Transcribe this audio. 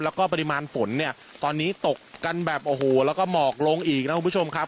แล้วก็ปริมาณฝนเนี่ยตอนนี้ตกกันแบบโอ้โหแล้วก็หมอกลงอีกนะคุณผู้ชมครับ